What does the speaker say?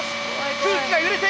空気が揺れている！